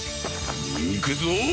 いくぞ！